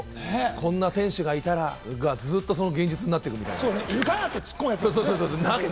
こんな選手がいたらがずっとその現実になってくるみたいな。